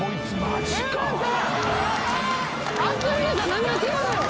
何が違うのよ？